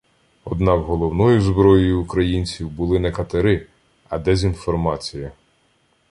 Однак головною зброєю українців були не катери, а дезінформація.